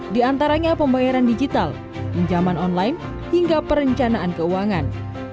di antaranya pembayaran digital pinjaman online hingga perencanaan keuangan